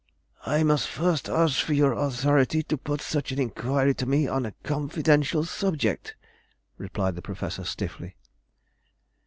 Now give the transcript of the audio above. "I must first ask for your authority to put such an inquiry to me on a confidential subject," replied the Professor stiffly.